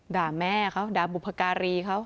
ด่าแม่เขาด่าบุพการีเขา